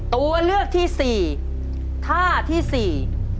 ตัวเลือกที่สี่ท่าที่สี่